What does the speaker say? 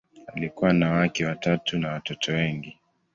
Alikuwa na wake watatu na watoto wengi.